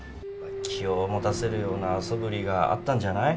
気を持たせるようなそぶりがあったんじゃない？